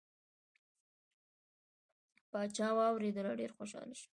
پاچا واورېدله ډیر خوشحال شو.